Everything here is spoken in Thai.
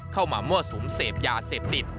เข้ามามั่วสูงเสพยาเสพติด